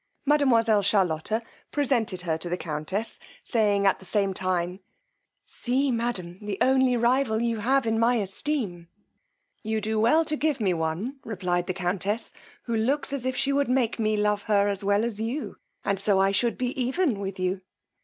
Mademoiselle Charlotta presented her to the countess, saying at the same time, see, madam, the only rival you have in my esteem. You do well to give me one, replied the countess, who looks as if she would make me love her as well as you, and so I should be even with you.